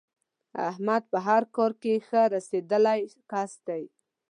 احمد په هر کار کې ښه رسېدلی کس دی.